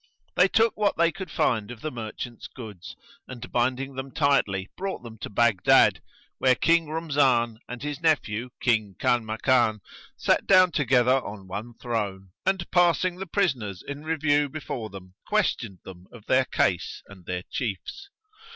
[FN#115] They took what they could find of the merchant's goods and, binding them tightly, brought them to Baghdad, where King Rumzan and his nephew, King Kanmakan, sat down together on one throne and, passing the prisoners in review before them, questioned them of their case and their chiefs.